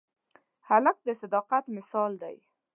هلک د صداقت مثال دی.